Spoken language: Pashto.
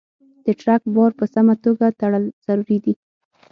د ټرک بار په سمه توګه تړل ضروري دي.